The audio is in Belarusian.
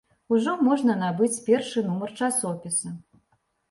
Ужо можна набыць першы нумар часопіса.